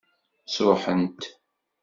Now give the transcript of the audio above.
Sṛuḥent.